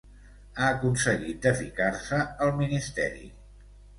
Ha aconseguit de ficar-se al ministeri.